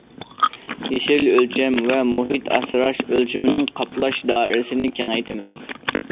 يېشىل ئۆلچەم ۋە مۇھىت ئاسراش ئۆلچىمىنىڭ قاپلاش دائىرىسىنى كېڭەيتىمىز.